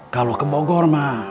kalau ke bogor mah